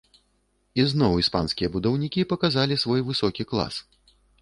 І зноў іспанскія будаўнікі паказалі свой высокі клас.